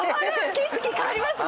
景色変わりますね！